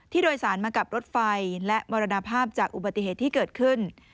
โดยสารมากับรถไฟและมรณภาพจากอุบัติเหตุที่เกิดขึ้น